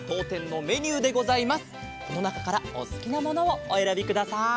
このなかからおすきなものをおえらびください。